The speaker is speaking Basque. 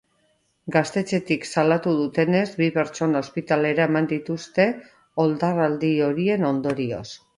Gaztetxetik salatu dutenez, bi pertsona ospitalera eraman dituzte, oldarraldi horien ondorioz.